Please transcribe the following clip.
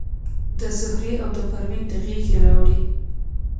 د زهرې او د پروین د غیږي راوړي